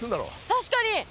確かに。